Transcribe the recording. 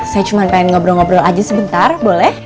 saya cuma pengen ngobrol ngobrol aja sebentar boleh